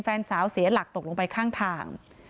แฟนสาวเสียหลักตกลงไปข้างทาง